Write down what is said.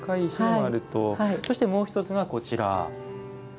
そしてもうひとつがこちら。